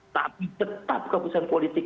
tapi tetap keputusan politik